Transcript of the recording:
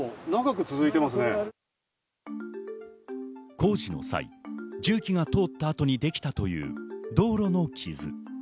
工事の際、重機が通った後にできたという道路の傷。